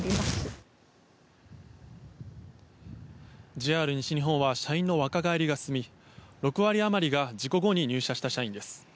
ＪＲ西日本は社員の若返りが進み６割あまりが事故後に入社した社員です。